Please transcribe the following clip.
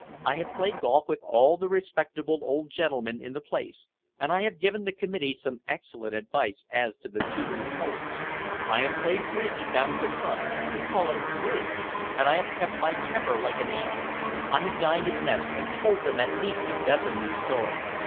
I have played golf with all the respectable old gentlemen in the place, and I have given the committee some excellent advice as to the two new holes. I have played bridge down at the club we will call it bridge! and I have kept my temper like an angel. I have dined at Mess and told them at least a dozen new stories.